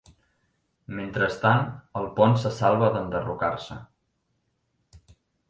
Mentrestant, el pont se salva d'enderrocar-se.